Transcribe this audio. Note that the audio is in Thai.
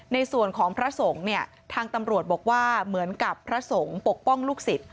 ในส่วนของพระสงฆ์เนี่ยทางตำรวจบอกว่าเหมือนกับพระสงฆ์ปกป้องลูกศิษย